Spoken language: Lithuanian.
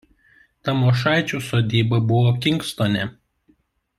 Tamošaičių sodyba buvo Kingstone.